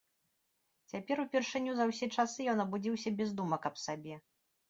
Цяпер, упершыню за ўсе часы, ён абудзіўся без думак аб сабе.